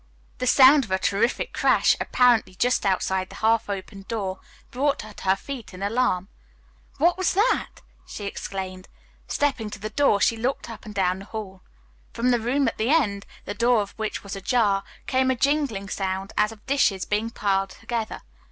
The sound of a terrific crash, apparently just outside the half opened door, brought her to her feet in alarm. "What was that?" she exclaimed. Stepping to the door she looked up and down the hall. From the room at the end, the door of which was ajar, came a jingling sound as of dishes being piled together.